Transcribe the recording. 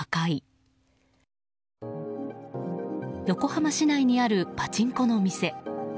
横浜市内にあるパチンコの店。